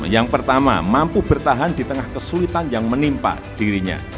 yang pertama mampu bertahan di tengah kesulitan yang menimpa dirinya